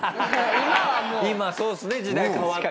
今そうですね時代変わって。